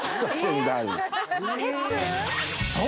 そう！